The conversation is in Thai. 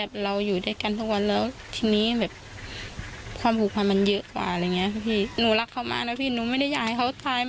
อนชีวิต